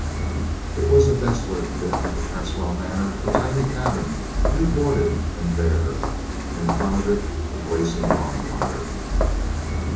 It was a desolate bit of the Cresswell manor, a tiny cabin, new boarded and bare, in front of it a blazing bonfire.